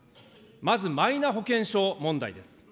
まずマイナ保険証問題です。